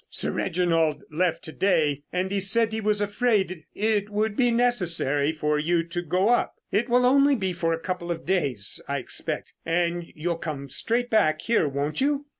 Sir Reginald left to day and he said he was afraid it would be necessary for you to go up. It will only be for a couple of days, I expect, and you'll come straight back here, won't you?"